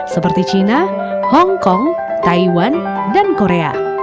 seperti china hong kong taiwan dan korea